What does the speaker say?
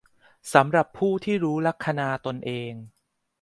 สำหรับผู้ที่รู้ลัคนาตนเอง